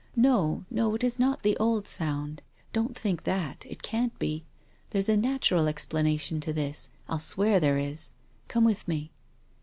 No, no, it is not the old sound. Don't think that. It can't be. There's a natural explanation of this — I'll swear there is. Come with me."